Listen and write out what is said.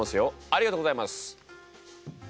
ありがとうございます。